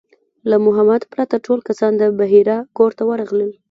له محمد پرته ټول کسان د بحیرا کور ته ورغلل.